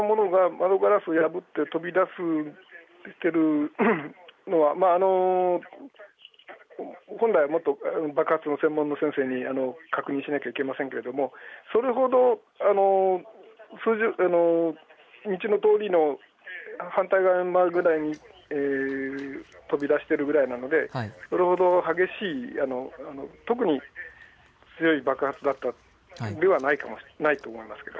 中のものが窓ガラスを破って飛び出しているのは本来、爆発の専門の先生に確認しなければいけませんけれども、それほど道の通りの反対側ぐらいに飛び出しているくらいなのでそれほど激しい特に強い爆発だったのではないと思いますけど。